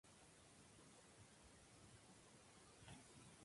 Los cruzados se lanzaron desde ambos transportistas que cruzan en el mar Adriático.